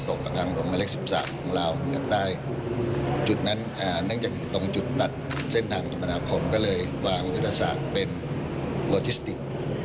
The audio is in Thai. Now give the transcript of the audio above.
ตรงจุดตัดเส้นทางธรรมนาภงก็เลยวางวิทยาศาสตร์เป็นโลจิสติก